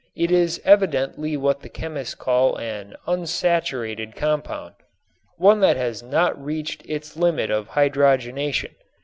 It is evidently what the chemists call an "unsaturated" compound, one that has not reached its limit of hydrogenation.